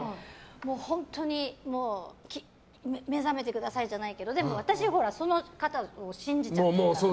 本当に目覚めてくださいじゃないけどでも、私はその方を信じちゃってるから。